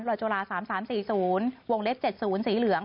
รอยจรา๓๓๔๐วงเล็ก๗๐สีเหลือง